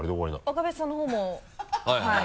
若林さんのほうもはい。